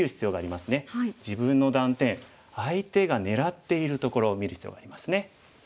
自分の断点相手が狙っているところを見る必要がありますね。